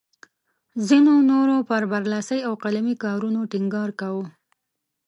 ځینو نورو پر برلاسي او قلمي کارونو ټینګار کاوه.